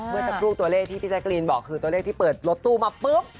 เมื่อสักครู่ตัวเลขที่พี่แจ๊กรีนบอกคือตัวเลขที่เปิดรถตู้มาปุ๊บ